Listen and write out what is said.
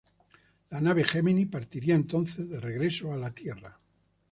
La nave Gemini partiría entonces de regreso a la Tierra.